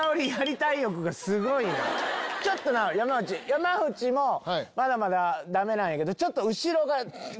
山内もまだまだダメなんやけど。